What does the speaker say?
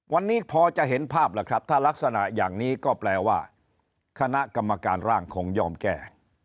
วันนี้พอจะเห็นภาพล่ะครับถ้ารักษณะอย่างนี้ก็แปลว่าคณะกรรมการร่างคงยอมแก้